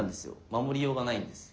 守りようがないんです。